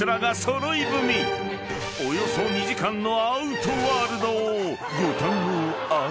［およそ２時間のアウトワールドをご堪能あれ］